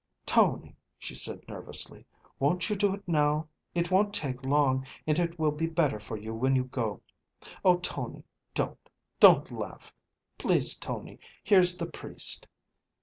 "Tony," she said nervously, "won't you do it now? It won't take long, and it will be better for you when you go Oh, Tony, don't don't laugh. Please, Tony, here's the priest."